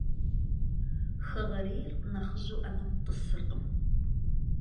Xeğerêyr nexhıju 'enem t'ıskhım.